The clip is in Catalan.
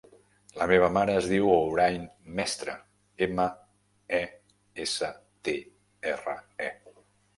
La meva mare es diu Hoorain Mestre: ema, e, essa, te, erra, e.